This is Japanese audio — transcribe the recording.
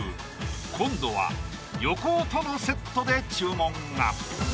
今度は横尾とのセットで注文が！